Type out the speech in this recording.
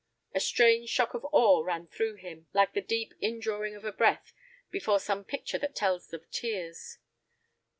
A strange shock of awe ran through him, like the deep in drawing of a breath before some picture that tells of tears.